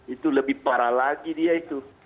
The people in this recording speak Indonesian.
itu lebih parah lagi dia itu